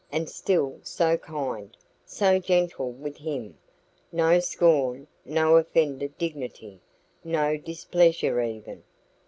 And still so kind, so gentle with him! No scorn, no offended dignity, no displeasure even.